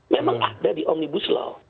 memang ada di omnibus law